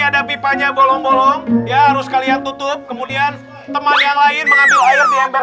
ada pipanya bolong bolong ya harus kalian tutup kemudian teman yang lain mengambil air di ember